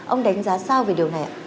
ông đánh giá sao về điều này ạ